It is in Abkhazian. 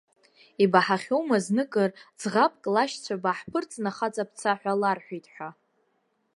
Ибаҳахьоума зныкыр ӡӷабк лашьцәа баҳԥырҵны хаҵа бца ҳәа ларҳәеит ҳәа.